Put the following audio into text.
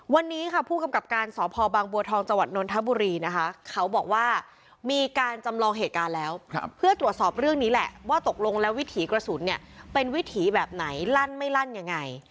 วันนี้ค่ะผู้กำกับการสพบางบัวทองจังหวัดนนทบุรีนะคะเขาบอกว่ามีการจำลองเหตุการณ์แล้วเพื่อตรวจสอบเรื่องนี้แหละว่าตกลงแล้ววิถีกระสุนเนี่ยเป็นวิถีแบบไหนลั่นไม่ลั่นยังไง